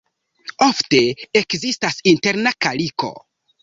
Ofte ekzistas interna kaliko.